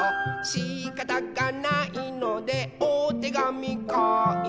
「しかたがないのでおてがみかいた」